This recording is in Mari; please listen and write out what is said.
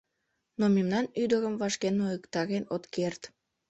Но мемнан ӱдырым вашке нойыктарен от керт.